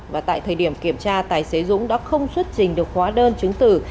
và tại thời điểm kiểm tra tài xế dũng đã không xuất trình được hóa đơn chứng tử